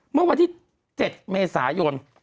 เมื่อวันที่๗เมษายน